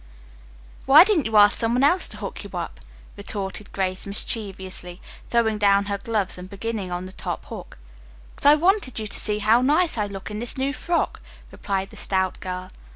"Why didn't you ask some one else to hook you up?" retorted Grace mischievously, throwing down her gloves and beginning on the top hook. "Because I wanted you to see how nice I looked in this new frock," replied the stout girl.